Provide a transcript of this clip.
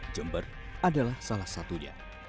jember adalah salah satunya